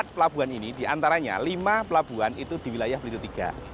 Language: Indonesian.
dua puluh empat pelabuhan ini diantaranya lima pelabuhan itu di wilayah belitutiga